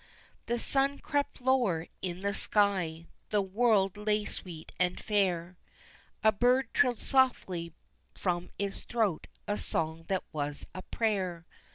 The sun crept lower in the sky, the world lay sweet and fair, A bird trilled softly from its throat a song that was a prayer.